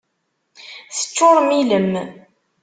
Teččurem ilem.